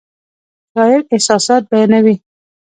شاعر احساسات بیانوي